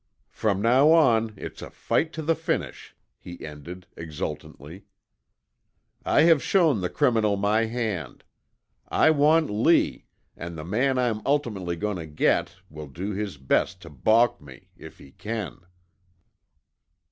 From now on it's a fight to the finish," he ended, exultantly. "I have shown the criminal my hand. I want Lee, and the man I'm ultimately going to get will do his best to balk me if he can."